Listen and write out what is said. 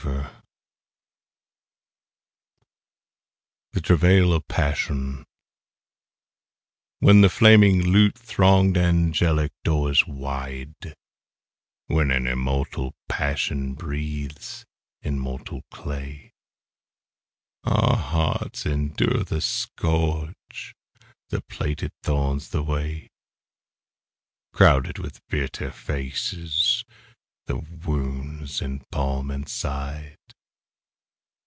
51 THE TRAVAIL OF PASSION When the flaming lute thronged angelic door is wide; When an immortal passion breathes in mor tal clay; Our hearts endure the scourge, the plaited thorns, the way Crowded with bitter faces, the wounds in palm and side.